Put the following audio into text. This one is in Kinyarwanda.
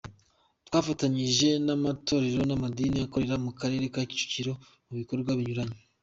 Twafatanyije n’amatorero n’amadini akorera mu Karere ka Kicukiro mu bikorwa binyuranye.